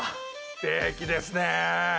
ステーキですね！